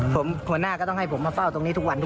ผมหัวหน้าก็ต้องให้ผมมาเฝ้าตรงนี้ทุกวันนี้